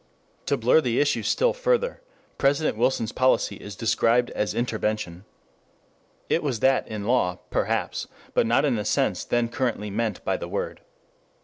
To blur the issue still further President Wilson's policy is described as "intervention." It was that in law, perhaps, but not in the sense then currently meant by the word.